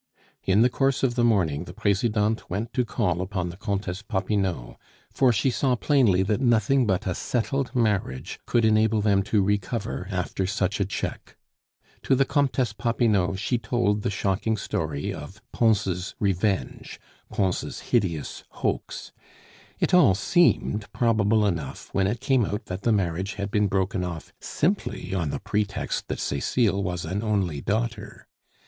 In the course of the morning, the Presidente went to call upon the Comtesse Popinot; for she saw plainly that nothing but a settled marriage could enable them to recover after such a check. To the Comtesse Popinot she told the shocking story of Pons' revenge, Pons' hideous hoax. It all seemed probable enough when it came out that the marriage had been broken off simply on the pretext that Cecile was an only daughter.